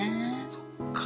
そっか。